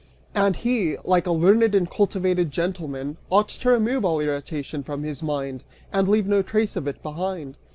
And he, like a learned and cultivated gentleman, ought to remove all irritation from his mind, and leave no trace of it behind.